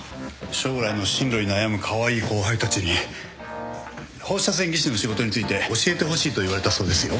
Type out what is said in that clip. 将来の進路に悩むカワイイ後輩たちに放射線技師の仕事について教えてほしいと言われたそうですよ。